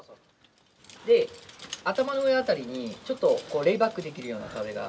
で、頭の上辺りにちょっとレイバックできるような壁が。